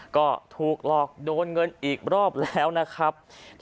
ก็ถูกหลอกโดนเงินอีกรอบแล้วนะครับ